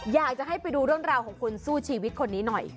อยากจะให้ไปดูเรื่องราวของคนสู้ชีวิตคนนี้หน่อย